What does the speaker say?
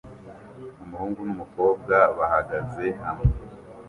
Umuhungu n'umukobwa bahagaze hamwe